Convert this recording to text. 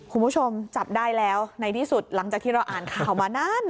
คุณผู้ชมจับได้แล้วในที่สุดหลังจากที่เราอ่านข่าวมานาน